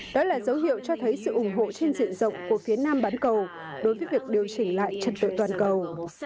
đó là dấu hiệu cho thấy sự ủng hộ trên diện rộng của phía nam bán cầu đối với việc điều chỉnh lại trật tự toàn cầu